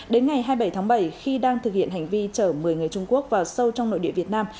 đến ngày hai mươi bảy tháng bảy khi đang thực hiện hành vi chở một mươi người trung quốc vào sâu trong nội địa việt nam